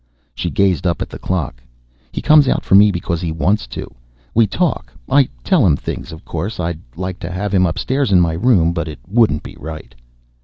She gazed up at the clock. "He comes out for me because he wants to. We talk; I tell him things. Of course, I'd like to have him upstairs in my room, but it wouldn't be right."